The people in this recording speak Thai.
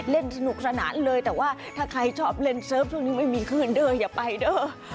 เล่นสนุกสนานเลยแต่ว่าถ้าใครชอบเล่นเซิร์ฟช่วงนี้ไม่มีคืนเด้ออย่าไปเด้อ